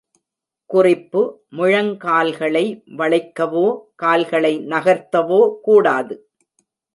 குறிப்பு முழங்கால்களை வளைக்கவோ, கால்களை நகர்த்தவோ கூடாது.